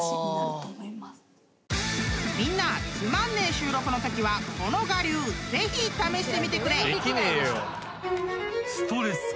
［みんなつまんねえ収録のときはこの我流ぜひ試してみてくれ］